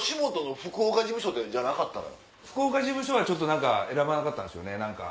福岡事務所は何か選ばなかったんですよね。